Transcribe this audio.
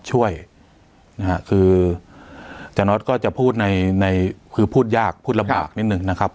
ช่วยนะฮะคือจาน็อตก็จะพูดในในคือพูดยากพูดลำบากนิดหนึ่งนะครับ